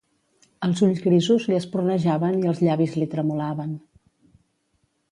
Els ulls grisos li espurnejaven i els llavis li tremolaven.